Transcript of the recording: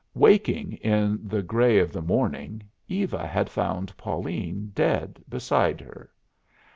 Waking in the gray of the morning Eva had found Pauline dead beside her.